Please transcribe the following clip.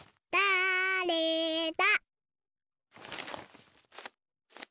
だれだ？